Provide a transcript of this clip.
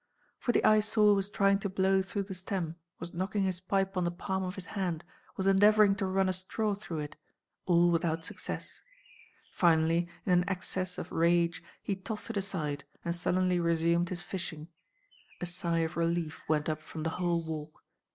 For the Eyesore was trying to blow through the stem, was knocking his pipe on the palm of his hand, was endeavouring to run a straw through it: all without success. Finally, in an access of rage, he tossed it aside and sullenly resumed his fishing. A sigh of relief went up from the whole Walk.